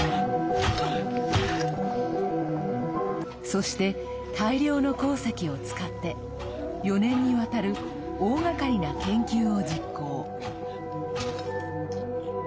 そして、大量の鉱石を使って４年にわたる大がかりな研究を実行。